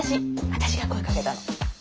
私が声かけたの。